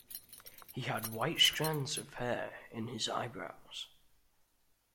He had white strands of hair in his eyebrows.